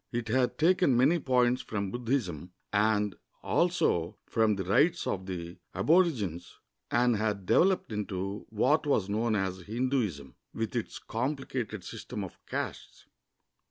It had taken many points from Buddhism and also from the rites of the aborigines, and had developed into what was known as Hinduism, with its complicated system of castes.